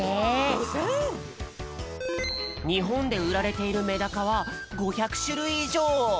にほんでうられているメダカは５００しゅるいいじょう。